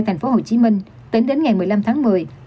thành phố hồ chí minh tính đến ngày một mươi năm tháng một mươi